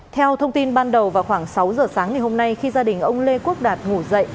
theo thông tin ban đầu vào khoảng sáu giờ sáng ngày hôm nay khi gia đình ông lê quốc đạt ngủ dậy